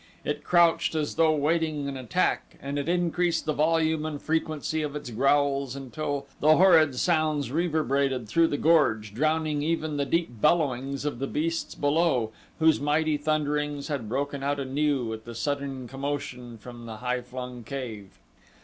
It crouched as though waiting an attack, and it increased the volume and frequency of its growls until the horrid sounds reverberated through the gorge, drowning even the deep bellowings of the beasts below, whose mighty thunderings had broken out anew with the sudden commotion from the high flung cave.